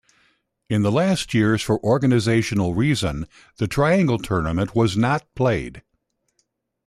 In the last years for organisational reason the triangle-tournament was not played.